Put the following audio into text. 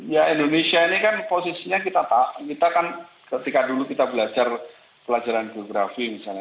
ya indonesia ini kan posisinya kita kan ketika dulu kita belajar pelajaran geografi misalnya